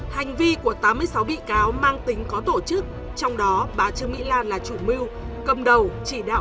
hành vi của tám mươi sáu bị cáo mang tính có tổ chức trong đó bà trương mỹ lan là chủ mưu cầm đầu chỉ đạo